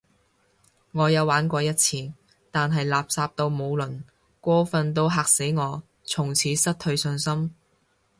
我有玩過一次，但係垃圾到無倫，過份到嚇死我，從此失去信心